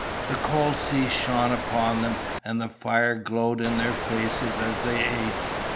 The cold sea shone about them, and the fire glowed in their faces, as they ate.